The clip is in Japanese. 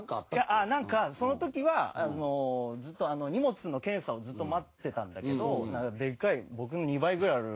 なんかその時はあのずっと荷物の検査をずっと待ってたんだけどなんかでかい僕の２倍ぐらいある。